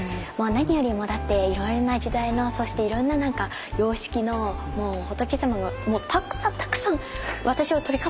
何よりもだっていろいろな時代のそしていろんな様式の仏様がもうたくさんたくさん私を取り囲んでいるんですよ。